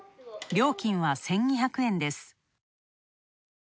料金は１２００円です。